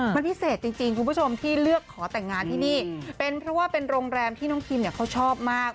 มันพิเศษจริงคุณผู้ชมที่เลือกขอแต่งงานที่นี่เป็นเพราะว่าเป็นโรงแรมที่น้องคิมเนี่ยเขาชอบมาก